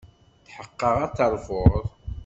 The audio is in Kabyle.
Tḥeqqeɣ ad terfuḍ.